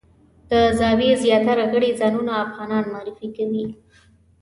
د زاویې زیاتره غړي ځانونه افغانان معرفي کوي.